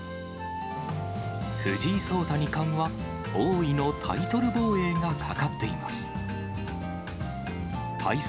藤井聡太二冠は、王位のタイトル防衛がかかっています。